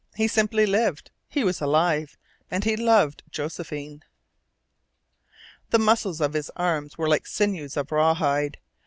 He simply LIVED! He was alive, and he loved Josephine. The muscles of his arms were like sinews of rawhide.